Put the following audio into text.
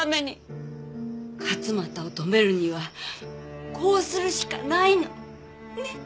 勝又を止めるにはこうするしかないの。ね？